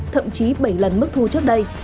thậm chí bảy lần mức thu trước đây